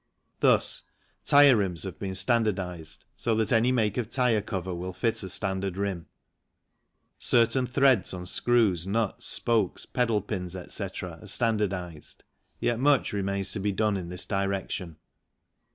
Thus, tyre rims have been standardized so that any make of tyre cover will fit a standard rim. Certain threads on screws, nuts, spokes, pedal pins, etc., are standardized, yet much remains to be done in this direction.